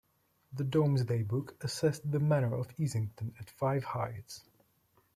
The Domesday Book assessed the manor of Easington at five hides.